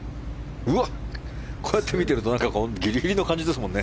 こうやって見てるとギリギリの感じですもんね。